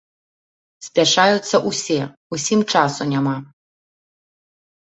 Спяшаюцца ўсе, усім часу няма.